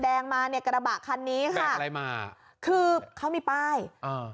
แดงมาเนี่ยกระบะคันนี้ค่ะขับอะไรมาคือเขามีป้ายอ่า